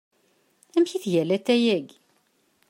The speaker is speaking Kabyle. Amek i tga latay-agi?